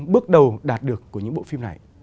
bước đầu đạt được của những bộ phim này